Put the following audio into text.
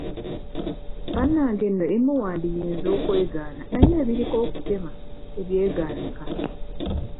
Bannange nno ebimu wandiyinza okwegaana naye ebiriko akutema tebyegaanika